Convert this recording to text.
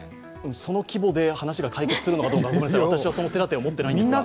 その規模で話が解決するのかどうか、その手立てを持ってないんですけど。